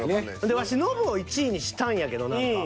でワシノブを１位にしたんやけど何か。